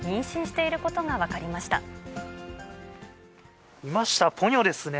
いました、ポニョですね。